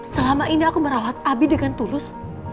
selama ini aku merawat abi dengan tulus